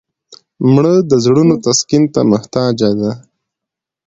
مړه د زړونو تسکین ته محتاجه ده